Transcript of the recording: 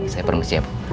saya permisi ya bu